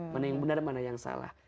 mana yang benar mana yang salah